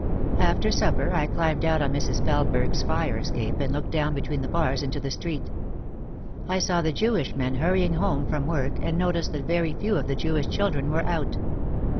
After supper I climbed out on Mrs. Felesberg's fire escape and looked down between the bars into the street. I saw the Jewish men hurrying home from work and noticed that very few of the Jewish children were out.